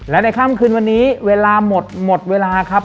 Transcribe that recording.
และในค่ำคืนวันนี้เวลาหมดหมดเวลาครับ